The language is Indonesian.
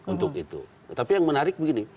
untuk itu tapi yang menarik begini